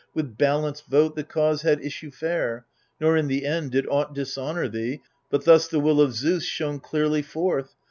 With balanced vote the cause had issue fair, Nor in the end did aught dishonour thee. But thus the will of Zeus shone clearly forth.